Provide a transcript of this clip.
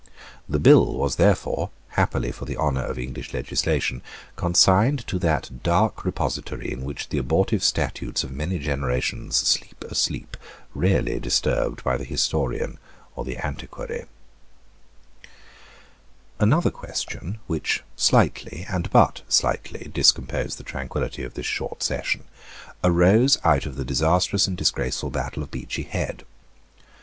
The bill was therefore, happily for the honour of English legislation, consigned to that dark repository in which the abortive statutes of many generations sleep a sleep rarely disturbed by the historian or the antiquary, Another question, which slightly and but slightly discomposed the tranquillity of this short session, arose out of the disastrous and disgraceful battle of Beachy Head.